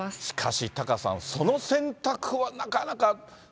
しかし、タカさん、その選択は、なかなか。